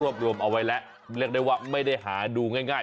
รวมเอาไว้แล้วเรียกได้ว่าไม่ได้หาดูง่าย